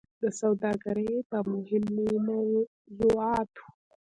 د سوداګرۍ په مهمو موضوعاتو